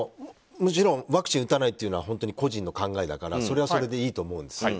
もちろんワクチンを打たないというのは個人の考えだからそれはそれでいいと思うんです。